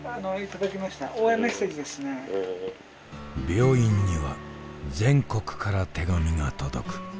病院には全国から手紙が届く。